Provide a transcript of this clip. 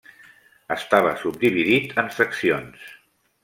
Estava subdividit en seccions.